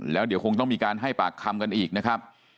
แล้วเดี๋ยวคงต้องมีการให้ปากคำกันอีกนะครับ